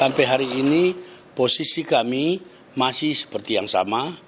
sampai hari ini posisi kami masih seperti yang sama